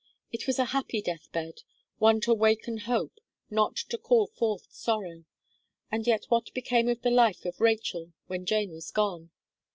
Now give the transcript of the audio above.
It was a happy death bed one to waken hope, not to call forth sorrow; and yet what became of the life of Rachel when Jane was gone?